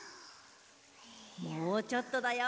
もうちょっとだよ。